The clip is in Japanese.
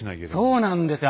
そうなんですよ。